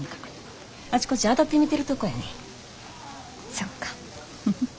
そっか。